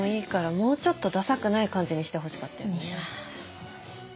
もうちょっとダサくない感じにしてほしかったよね。